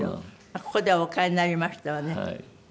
ここではお替えになりましたわね。